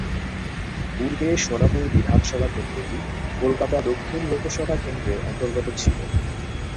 পূর্বে সোনারপুর বিধানসভা কেন্দ্রটি কলকাতা দক্ষিণ লোকসভা কেন্দ্রের অন্তর্গত ছিল।